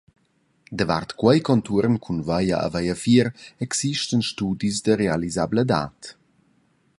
Davart quei contuorn cun via e viafier existan studis da realisabladad.